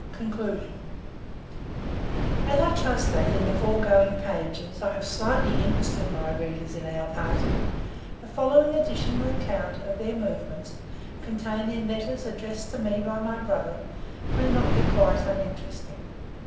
CONCLUSION As I trust that, in the foregoing pages, I have slightly interested my readers in "our party," the following additional account of their movements, contained in letters addressed to me by my brother, may not be quite uninteresting.